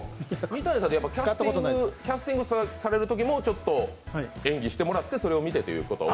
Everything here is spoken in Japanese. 三谷さんってキャスティングされるときもちょっと演技してもらってそれを見てということで？